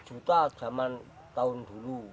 lima juta zaman tahun dulu